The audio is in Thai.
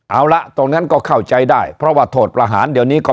เอาละตรงนั้นก็เข้าใจได้เพราะว่าโทษประหารเดี๋ยวนี้ก็